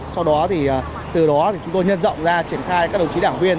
sau đó chúng tôi nhân rộng ra triển khai các đồng chí đảng viên